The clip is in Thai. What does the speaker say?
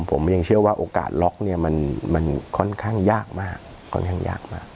ผมยังเชื่อว่าโอกาสล๊อคมันค่อนข้างยากมาก